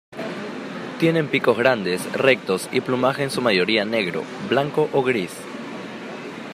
Tienen picos grandes, rectos, y plumaje en su mayoría negro, blanco o gris.